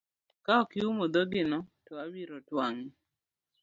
Ka ok iumo dhogi no to abiro twang'e.